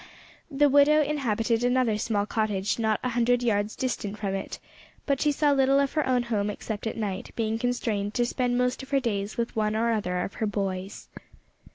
The widow inhabited another small cottage not a hundred yards distant from it, but she saw little of her own home except at night, being constrained to spend most of her days with one or other of her "boys."